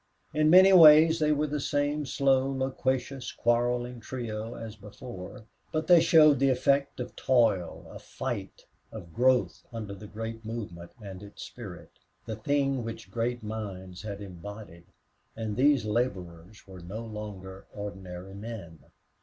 In many ways they were the same slow, loquacious, quarreling trio as before, but they showed the effect of toil, of fight, of growth under the great movement and its spirit the thing which great minds had embodied; and these laborers were no longer ordinary men.